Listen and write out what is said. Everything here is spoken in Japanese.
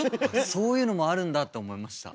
そういうのもあるんだって思いました。